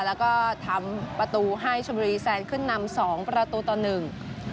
แล้วก็ทำประตูให้ชมบุรีแซนขึ้นนำสองประตูต่อหนึ่ง